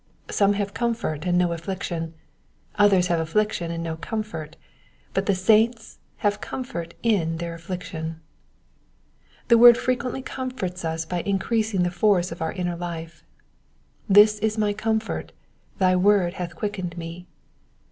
Some have comfort and no affliction, others have affliction and no comfort ; but the saints have comfort in their affliction. The word frequently comforts us by increasing the forcfr of our inner life : "this is my comfort; thy word hath quickened me."